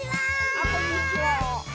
あこんにちは。